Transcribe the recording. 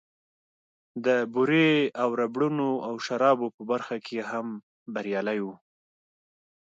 د بورې او ربړونو او شرابو په برخه کې هم بريالی و.